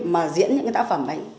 mà diễn những cái tác phẩm đấy